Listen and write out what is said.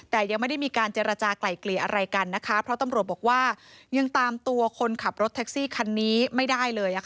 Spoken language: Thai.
แต่ยังไม่ได้มีการเจรจากลายเกลี่ยอะไรกันนะคะเพราะตำรวจบอกว่ายังตามตัวคนขับรถแท็กซี่คันนี้ไม่ได้เลย